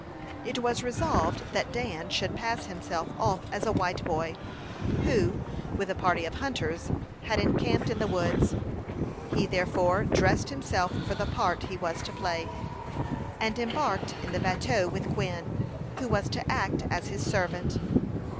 It was resolved that Dan should pass himself off as a white boy, who, with a party of hunters, had encamped in the woods. He therefore dressed himself for the part he was to play, and embarked in the bateau with Quin, who was to act as his servant.